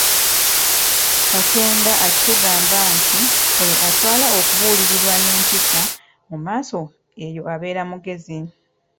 Katonda akitugamba nti oyo atwala okubuulirirwa n'empisa, mu maaso eyo abeera mugezi.